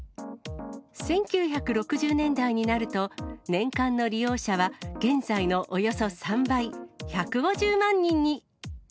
１９６０年代になると、年間の利用者は現在のおよそ３倍、１５０万人に。